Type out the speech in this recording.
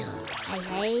はいはい。